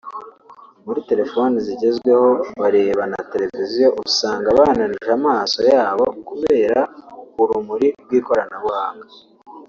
muri telefoni zigezweho bareba na televiziyo usanga bananije amaso yabo kubera urumuri rw’ikoranabuhanga